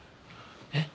えっ？